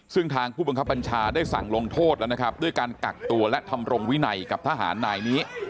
ซึ่งทางผู้บังคับบัญชาได้สั่งลงโทษแล้วนะครับด้วยการกักตัวและทำรงวินัยกับทหารนายนี้